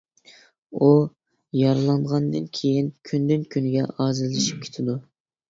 ئۇ يارىلانغاندىن كېيىن كۈندىن-كۈنگە ئاجىزلىشىپ كېتىدۇ.